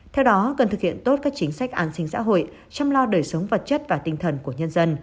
theo đó cần thực hiện tốt các chính sách an sinh xã hội chăm lo đời sống vật chất và tinh thần của nhân dân